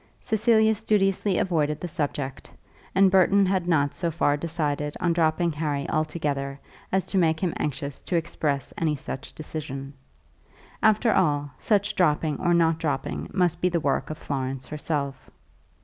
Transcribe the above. Cecilia studiously avoided the subject, and Burton had not so far decided on dropping Harry altogether, as to make him anxious to express any such decision. After all, such dropping or not dropping must be the work of Florence herself.